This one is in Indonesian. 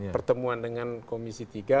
pertemuan dengan komisi tiga